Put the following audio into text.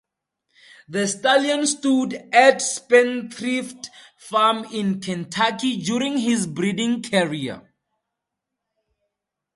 The stallion stood at Spendthrift Farm in Kentucky during his breeding career.